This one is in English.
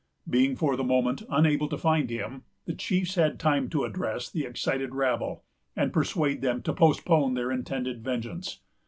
Being, for the moment, unable to find him, the chiefs had time to address the excited rabble, and persuade them to postpone their intended vengeance.